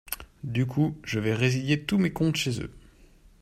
Du coup, je vais résilier tous mes comptes chez eux.